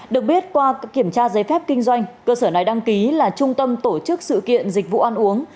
được biết qua kiểm tra giấy phép kinh doanh cơ sở này đăng ký là trung tâm tổ chức sự kiện dịch vụ ăn uống